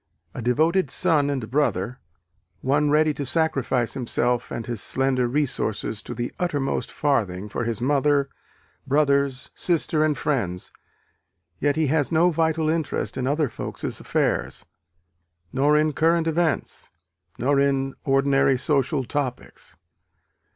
A devoted son and brother, one ready to sacrifice himself and his slender resources to the uttermost farthing for his mother, brothers, sister and friends yet he has no vital interest in other folks' affairs, nor in current events, nor in ordinary social topics.